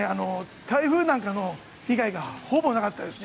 台風なんかの被害がほぼなかったですね。